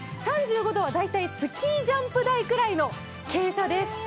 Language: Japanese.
３５度は大体スキージャンプ台くらいの傾斜です。